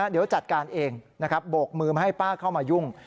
เดี๋ยวจัดการเองนะครับโบกมือมาให้ป้าเข้ามายุ่ง